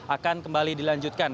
akan kembali dilanjutkan